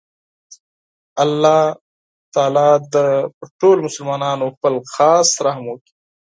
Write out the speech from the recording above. الله ﷻ دې پر ټولو مسلماناتو خپل خاص رحم وکړي